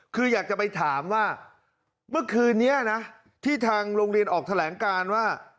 คืออยากจะไปถามว่าเมื่อคืนนี้นะที่ทางโรงเรียนออกแถลงการว่า